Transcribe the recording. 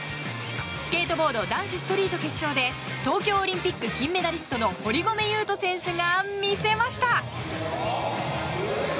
スケートボード男子ストリート決勝で東京オリンピック金メダリストの堀米雄斗選手が見せました。